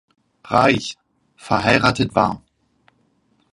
Raich, verheiratet war.